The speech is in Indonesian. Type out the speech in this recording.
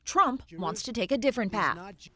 trump ingin mengambil jalan yang berbeda